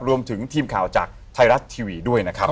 รวมถึงทีมข่าวจากไทยรัฐทีวีด้วยนะครับ